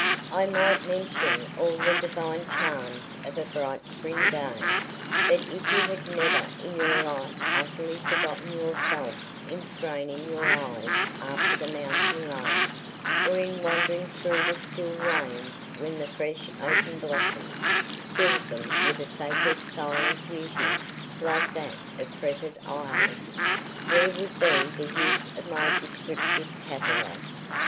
I might mention all the divine charms of a bright spring day, but if you had never in your life utterly forgotten yourself in straining your eyes after the mounting lark, or in wandering through the still lanes when the fresh opened blossoms fill them with a sacred silent beauty like that of fretted aisles, where would be the use of my descriptive catalogue?